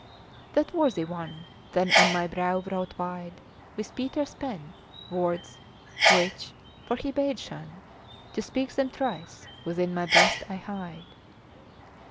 That worthy one then on my brow wrote wide With Peter's pen words which for he bade shun To speak them thrice within my breast I hide.